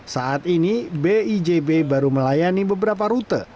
saat ini bijb baru melayani beberapa rute